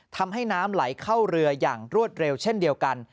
ทำให้น้ำไหลเข้าเรืออย่างรวดเร็วเช่นเดียวกัน